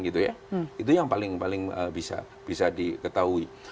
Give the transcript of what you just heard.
itu yang paling bisa diketahui